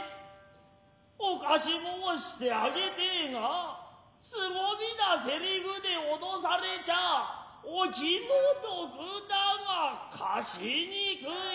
お貸し申して上げてえが凄みなせりふでおどされちゃァお気の毒だが貸しにくい。